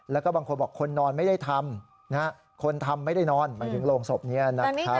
แล้วก็บางคนบอกคนนอนไม่ได้ทำคนทำไม่ได้นอนหมายถึงโรงศพนี้นะครับ